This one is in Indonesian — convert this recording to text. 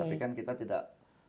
tapi kan kita tidak